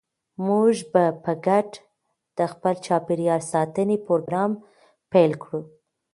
موږ به په ګډه د خپل چاپیریال ساتنې پروګرام پیل کړو.